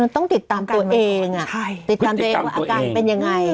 ต้องติดตามตัวเองติดตามตัวเองว่าอาการเป็นยังไง